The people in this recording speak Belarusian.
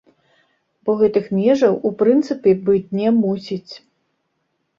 Бо гэтых межаў у прынцыпе быць не мусіць.